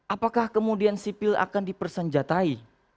apakah kemudian sipil akan dipersenjatai